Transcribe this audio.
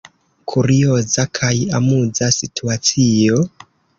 Kurioza kaj amuza situacio?